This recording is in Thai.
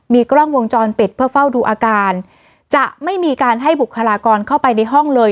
มีกล้องวงจรปิดเพื่อเฝ้าดูอาการจะไม่มีการให้บุคลากรเข้าไปในห้องเลย